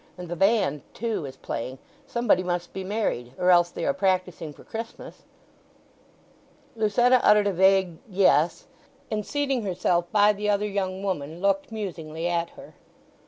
And the band, too, is playing. Somebody must be married; or else they are practising for Christmas." Lucetta uttered a vague "Yes," and seating herself by the other young woman looked musingly at her.